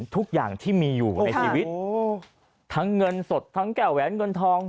ทุกอย่างที่มีอยู่ในชีวิตทั้งเงินสดทั้งแก้วแหวนเงินทอง